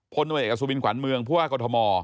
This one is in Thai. ผลตัวเอกอสูบินขวานเมืองภูมิว่ากฐม